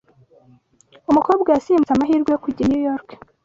Umukobwa yasimbutse amahirwe yo kujya i New York.